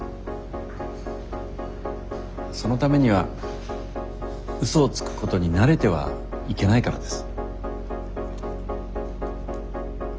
そのためには嘘をつくことに慣れてはいけないからです。